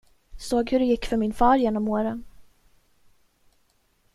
Såg hur det gick för min far genom åren.